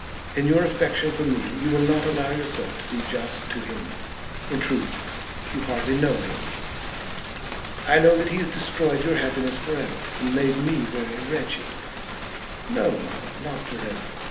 In your affection for me you will not allow yourself to be just to him. In truth you hardly know him." "I know that he has destroyed your happiness for ever, and made me very wretched." "No, mamma; not for ever.